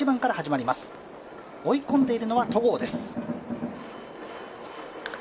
追い込んでいるのは戸郷です。